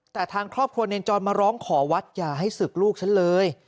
แต่ทางครอบครัวเนรจรมาร้องขอวัดอย่าให้ศึกลูกฉันเลย